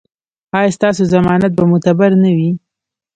ایا ستاسو ضمانت به معتبر نه وي؟